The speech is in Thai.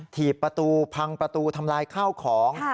ถีบประตูพังประตูทำลายข้าวของ